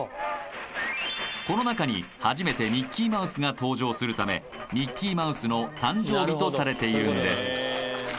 このなかに初めてミッキーマウスが登場するためミッキーマウスの誕生日とされているんです